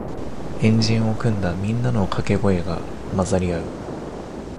円陣を組んだみんなのかけ声が混ざり合う